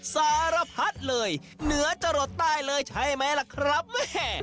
สารพัดเลยเหนือจะหลดใต้เลยใช่ไหมล่ะครับแม่